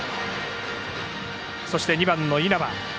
そして２番の稲葉。